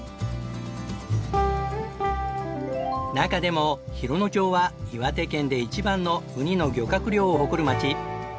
中でも洋野町は岩手県で一番のウニの漁獲量を誇る町。